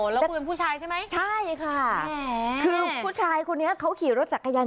แล้วคุณเป็นผู้ชายใช่ไหมใช่ค่ะคือผู้ชายคนนี้เขาขี่รถจักรยาน